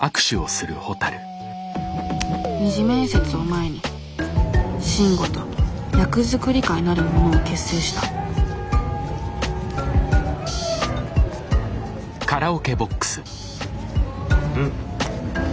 二次面接を前に慎吾と役作り会なるものを結成したん？